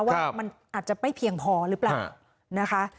ว่ามันอาจจะไม่เพียงพอหรือเปล่านะคะ